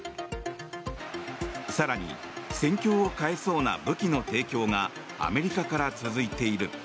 更に戦況を変えそうな武器の提供がアメリカから続いている。